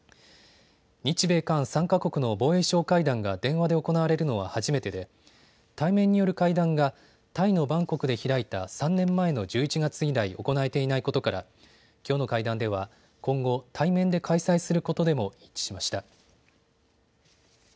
日米韓３か国の防衛相会談が電話で行われるのは初めてで対面による会談がタイのバンコクで開いた３年前の１１月以来行えていないことからきょうの会談では今後、対面で開催することでも一致しました。